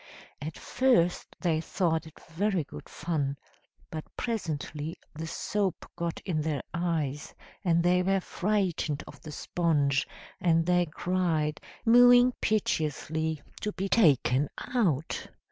At first they thought it very good fun, but presently the soap got in their eyes and they were frightened of the sponge, and they cried, mewing piteously, to be taken out.